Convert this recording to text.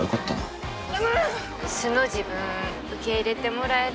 素の自分受け入れてもらえるって自信ある？